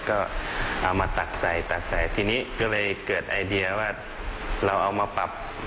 ก็เอามาตักใส่ตักใส่ทีนี้ก็เลยเกิดไอเดียว่าเราเอามาปรับ